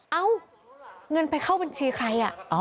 เอ้าเงินไปเข้าบัญชีใคร